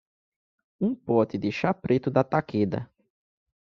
um pote de chá preto da Takeda